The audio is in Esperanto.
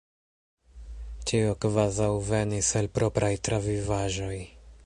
Ĉio kvazaŭ venis el propraj travivaĵoj.